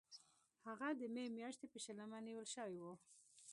هغه د می میاشتې په شلمه نیول شوی و.